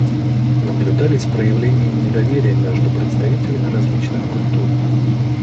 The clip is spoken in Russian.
Наблюдались проявления недоверия между представителями различных культур.